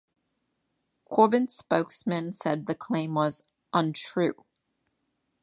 Corbyn's spokesman said the claim was "untrue".